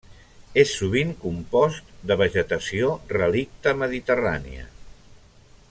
És sovint compost de vegetació relicta mediterrània.